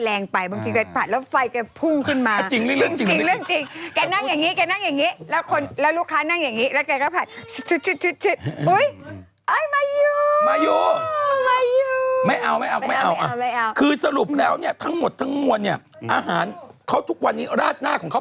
แล้วต่อก่อนเคยไปกินแล้วแกคุยอ้าวคุณผัดไทยผัดอุ้ยไฟแรงไป